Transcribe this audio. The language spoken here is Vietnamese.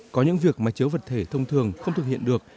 có những việc máy chiếu vật thể thông thường không thực hiện được